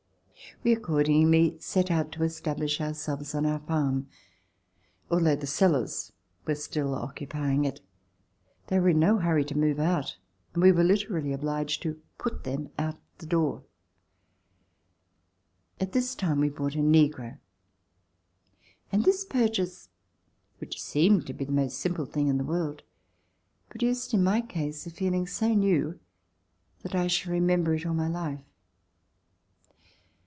We accordingly set out to establish ourselves on our farm, although the sellers were still occupying it. They were in no hurry to move out, and we were literally obliged to put them out of the door. At this time we bought a negro, and this purchase, which seemed to be the most simple thing in the world, produced in my case a feeling so new that I shall remember it all my life.